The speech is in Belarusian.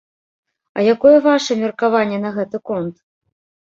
А якое ваша меркаванне на гэты конт?